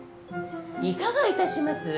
いかがいたします？